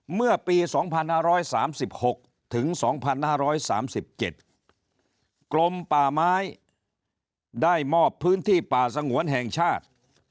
เมื่อปี๒๕๓๖ถึง๒๕๓๗กรมป่าไม้ได้มอบพื้นที่ป่าสงวนแห่งชาติ